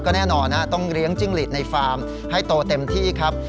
แน่นอนต้องเลี้ยงจิ้งหลีดในฟาร์มให้โตเต็มที่ครับ